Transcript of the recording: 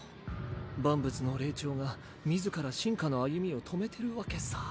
万物の霊長が自ら進化の歩みを止めてるわけさ。